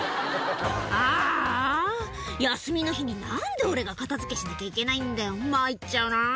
あーあー、休みの日に、なんで俺が片づけしなきゃいけないんだよ、まいっちゃうな。